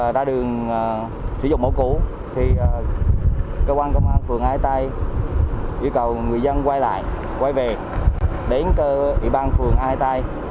đa đường sử dụng mẫu cũ thì cơ quan công an phường ai tây yêu cầu người dân quay lại quay về đến cơ ị ban phường ai tây